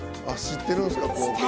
知ってるんですか？